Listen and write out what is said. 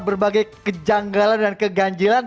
berbagai kejanggalan dan keganjilan